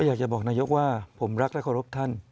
อยากจะบอกนายกว่าผมรักและเคารพท่าน